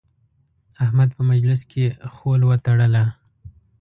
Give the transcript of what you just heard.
احمد په مجلس کې خول وتړله.